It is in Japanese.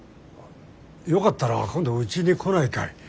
よかったら今度うちに来ないかい？